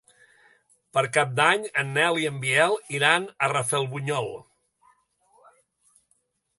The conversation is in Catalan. Per Cap d'Any en Nel i en Biel iran a Rafelbunyol.